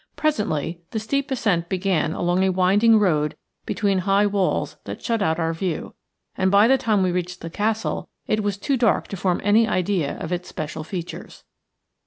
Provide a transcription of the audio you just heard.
Presently the steep ascent began along a winding road between high walls that shut out our view, and by the time we reached the castle it was too dark to form any idea of its special features.